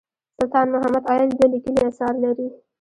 سلطان محمد عايل دوه لیکلي اثار لري.